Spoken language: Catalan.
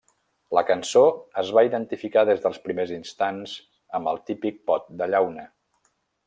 La cançó es va identificar des dels primers instants amb el típic pot de llauna.